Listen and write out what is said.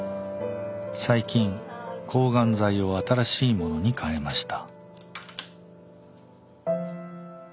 最近抗がん剤を新しいものに変えました。